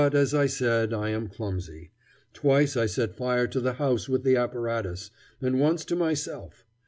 But, as I said, I am clumsy. Twice I set fire to the house with the apparatus, and once to myself.